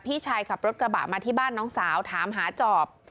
พี่ชายขับรถกระบะมาที่บ้านน้องสาวถามหาจอบ